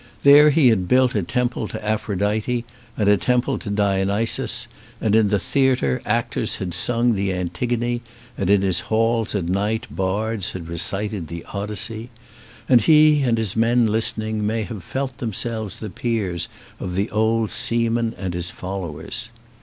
There he had built a temple to Aphro dite and a temple to Dionysus, and in the theatre actors had sung the Antigone and in his halls at night bards had recited the Odyssey. And he and his men listening may have felt themselves the peers of the old seaman and his followers.